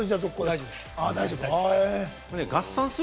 大丈夫です。